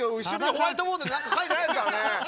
ホワイトボードになんか描いてないですからね。